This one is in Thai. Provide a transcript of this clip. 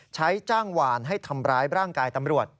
จ้างหวานให้ทำร้ายร่างกายตำรวจ